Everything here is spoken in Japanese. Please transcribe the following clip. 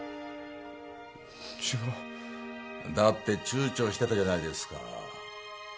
違うだってちゅうちょしてたじゃないですか